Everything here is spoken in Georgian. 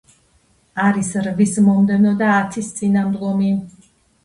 არის რვის მომდევნო და ათის წინამდგომი.